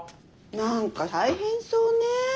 何か大変そうね。